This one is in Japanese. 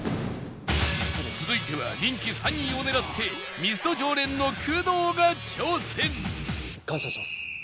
続いては人気３位を狙ってミスド常連の工藤が挑戦！